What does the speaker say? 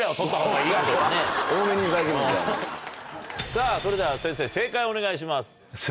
さぁそれでは先生正解をお願いします。